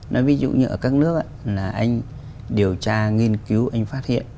nói ví dụ như ở các nước là anh điều tra nghiên cứu anh phát hiện